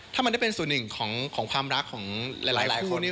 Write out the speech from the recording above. ถ้ามันเป็นสูตรหนึ่งของความรักของหลายผู้